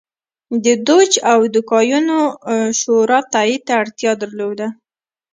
د دوج او دوکیانو شورا تایید ته اړتیا درلوده.